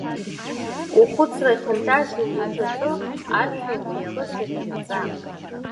Ухәыцра хьанҭазар уҽаҵых, ашәа уҭахызар иаԥҵа.